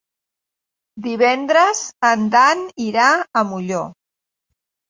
Divendres en Dan irà a Molló.